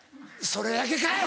それだけかい！